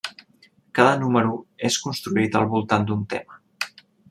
Cada número és construït al voltant d'un tema.